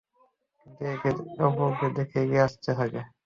কিন্তু একে অপরকে দেখে এগিয়ে আসতে থাকে।